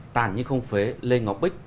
tàn như không phế lê ngọc bích